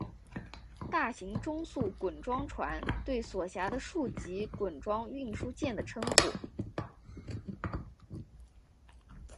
大型中速滚装船对所辖的数级滚装运输舰的称呼。